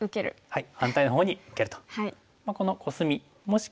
はい。